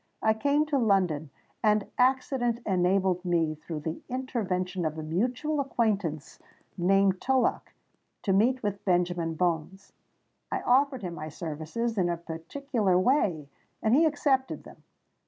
I came to London; and accident enabled me, through the intervention of a mutual acquaintance named Tullock, to meet with Benjamin Bones. I offered him my services in a particular way—and he accepted them.